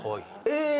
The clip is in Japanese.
え！